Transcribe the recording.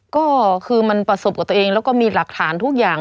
ก็คือมันประสบกับตัวเองแล้วก็มีหลักฐานทุกอย่าง